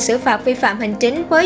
xử phạt vi phạm hành chính với